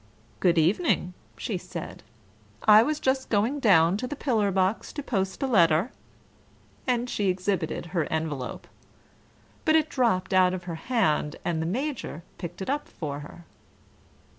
"Good evening," she said. "I was just going down to the pillar box to post a letter," and she exhibited her envelope. But it dropped out of her hand, and the Major picked it up for her.